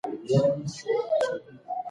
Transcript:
د دغي پېښي رپوټ چا ورکړی؟